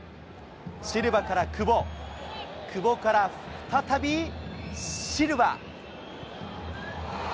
シルバから久保、久保から再びシルバ。